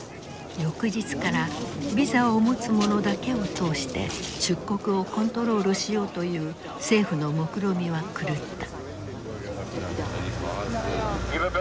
翌日からビザを持つ者だけを通して出国をコントロールしようという政府のもくろみは狂った。